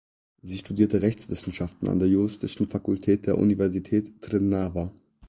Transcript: Sie studierte Rechtswissenschaften an der Juristischen Fakultät der Universität Trnava.